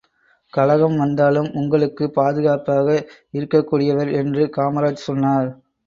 கலகம் வந்தாலும் உங்களுக்கு பாதுகாப்பாக இருக்கக் கூடியவர் என்று காமராஜ் சொன்னார்.